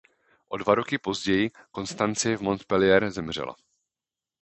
O dva roky později Konstancie v Montpellier zemřela.